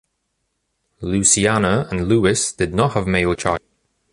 Luciana and Luis did not have male child.